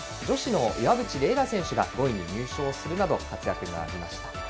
女子の岩渕麗楽選手が５位に入賞するなど活躍がありました。